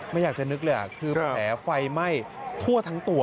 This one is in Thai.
ไม่อยากจะนึกเลยคือแผลไฟไหม้ทั่วทั้งตัว